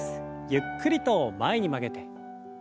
ゆっくりと前に曲げて。